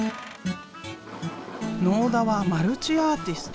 納田はマルチアーティスト。